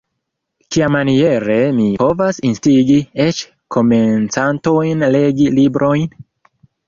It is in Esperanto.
Kiamaniere mi povos instigi eĉ komencantojn legi librojn?